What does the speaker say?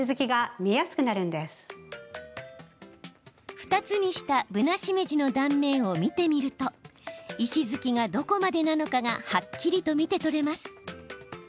２つにしたぶなしめじの断面を見てみると石づきがどこまでなのかがはっきりと見てとれます。